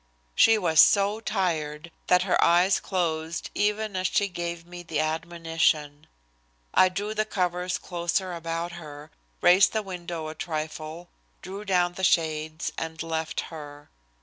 She was so tired that her eyes closed even as she gave me the admonition. I drew the covers closer about her, raised the window a trifle, drew down the shades, and left her.